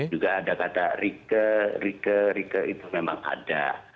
juga ada kata rike rike rike itu memang ada